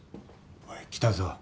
おい来たぞ。